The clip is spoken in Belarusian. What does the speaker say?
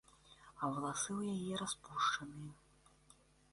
А валасы ў яе распушчаныя.